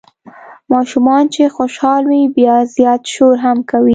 ماشومان چې خوشال وي بیا زیات شور هم کوي.